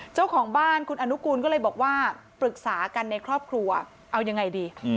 เจ้าของบ้านคุณอนุกูลก็เลยบอกว่าปรึกษากันในครอบครัวเอายังไงดี